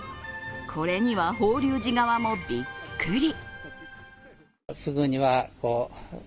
これには法隆寺側もびっくり。